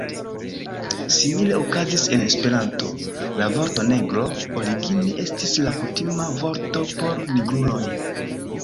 Simile okazis en Esperanto: La vorto "negro" origine estis la kutima vorto por nigruloj.